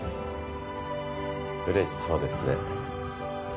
嬉しそうですね。